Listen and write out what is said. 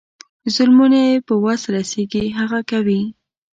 ظلمونه یې په وس رسیږي هغه کوي.